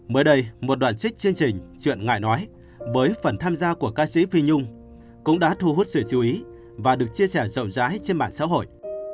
mới đây một đoàn trích chương trình chuyện ngại nói với phần tham gia của ca sĩ phi nhung cũng đã thu hút sự chú ý và được chia sẻ rộng rãi trên mạng xã hội